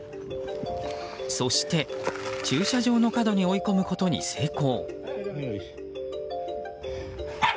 そして、駐車場の角に追い込むことに成功。